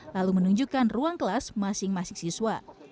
lalu menunjukkan ruang kelas masing masing siswa